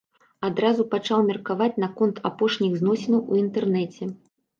Адразу пачаў меркаваць наконт апошніх зносінаў у інтэрнэце.